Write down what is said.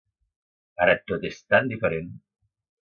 Ara tot és tan diferent!